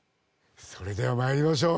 それでは参りましょう。